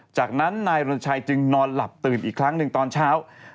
จากนั้นนายรณชัยจึงนอนหลับตื่นอีกครั้งหนึ่งตอนเช้า